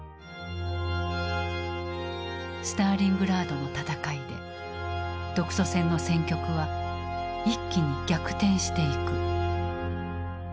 スターリングラードの戦いで独ソ戦の戦局は一気に逆転していく。